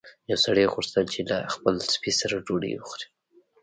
یو سړي غوښتل چې له خپل سپي سره ډوډۍ وخوري.